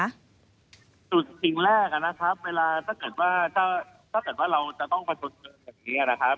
สุดสิ่งแรกนะครับเวลาถ้าเกิดว่าเราจะต้องมาเถิดเกิดแบบนี้นะครับ